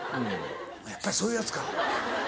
やっぱりそういうヤツか。